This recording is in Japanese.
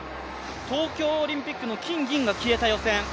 東京オリンピックの金・銀が消えた予選。